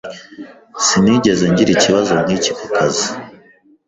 Sinigeze ngira ikibazo nkiki ku kazi.